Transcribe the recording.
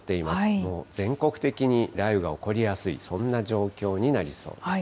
もう全国的に雷雨が起こりやすい、そんな状況になりそうです。